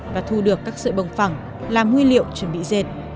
và thu được các sợi bông phẳng làm nguyên liệu chuẩn bị dệt